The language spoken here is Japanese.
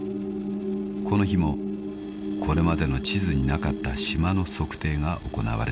［この日もこれまでの地図になかった島の測定が行われた］